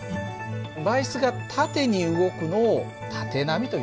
媒質が縦に動くのを縦波というんだね。